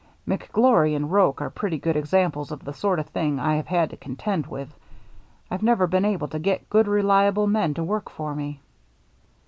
" McGlory and Roche are pretty good ex amples of the sort of thing I have had to contend with. I've never been able to get good reliable men to work for me."